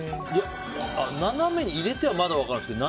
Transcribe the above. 斜めに入れてはまだ分かるんですけど